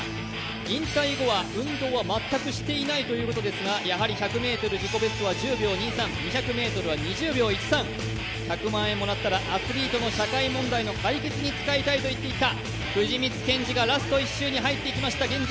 引退後は運動は全くしていないということですが１００ｍ自己ベストは１０秒２３ｍ、２００ｍは２０秒１３、１００万円もらったら、アスリートの社会問題の解決に使いたいと言っていた藤光謙司がラスト１周に入っていきました。